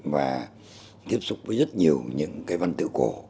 và tiếp xúc với rất nhiều những cái văn tự cổ